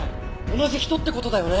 同じ人って事だよね？